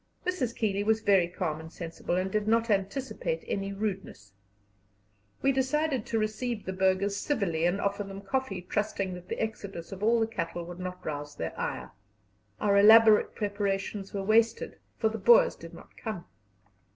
Mrs. Keeley was very calm and sensible, and did not anticipate any rudeness. We decided to receive the burghers civilly and offer them coffee, trusting that the exodus of all the cattle would not rouse their ire. Our elaborate preparations were wasted, for the Boers did not come.